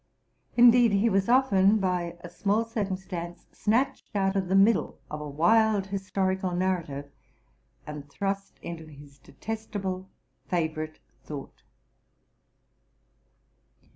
Indeed, he was often, bya small circumstance, snatched out of the middle of a wild historical narrative, and thrust into his detestable favorite thought.